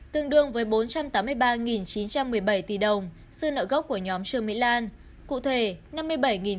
tương đương với bốn trăm tám mươi ba chín trăm một mươi bảy tỷ đồng sư nợ gốc của nhóm trường mỹ lan